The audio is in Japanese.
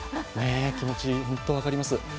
気持ち、本当に分かります。